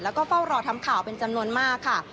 แล้วก็เฝ้ารอทำข่าวเป็นจำนวนมากค่ะ